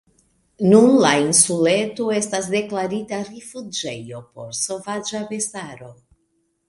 Nun la insuleto estas deklarita rifuĝejo por sovaĝa bestaro.